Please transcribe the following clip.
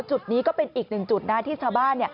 จุดนี้ก็เป็นอีกหนึ่งจุดนะที่ชาวบ้าน